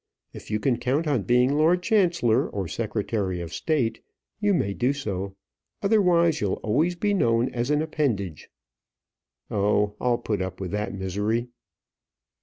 If you can count on being lord chancellor, or secretary of state, you may do so; otherwise, you'll always be known as an appendage." "Oh, I'll put up with that misery."